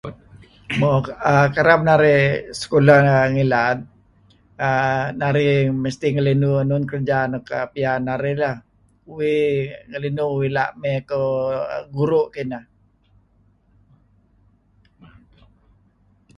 Mo[err] kereb narih sekulah ngilad mesti narih ngelinuh enun kerja nuk piyan narih lah, Uih ngelinuh uih la' mey kuh guru' ineh.